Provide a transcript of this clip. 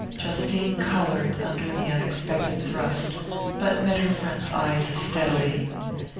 Justine coloured under the unexpected thrust, but met her friend's eyes steadily.